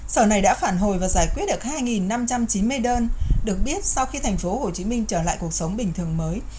sở này đã phản hồi và giải quyết được hai năm trăm chín mươi đơn được biết sau khi tp hcm trở lại cuộc sống bình thường mới